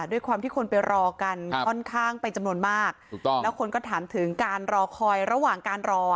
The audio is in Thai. ด้วยความที่คนไปรอกันค่อนข้างเป็นจำนวนมากถูกต้องแล้วคนก็ถามถึงการรอคอยระหว่างการรอ